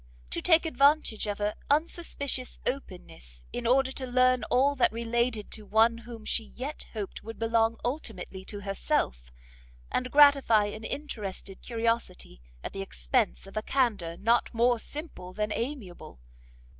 to take advantage of her unsuspicious openness in order to learn all that related to one whom she yet hoped would belong ultimately to herself, and gratify an interested curiosity at the expence of a candour not more simple than amiable?